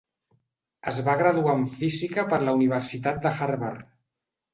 Es va graduar en física per la Universitat de Harvard.